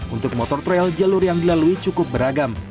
untuk motor trail jalur yang dilalui cukup beragam